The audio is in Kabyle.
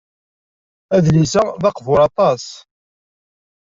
Adlis-a d aqbuṛ aṭas.